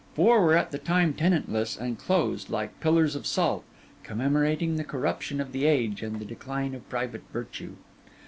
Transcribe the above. Four were at that time tenantless and closed, like pillars of salt, commemorating the corruption of the age and the decline of private virtue.